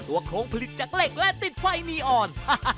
โครงผลิตจากเหล็กและติดไฟนีอ่อน